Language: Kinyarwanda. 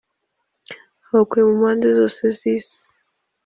abakuye mu mpande zose z’isi.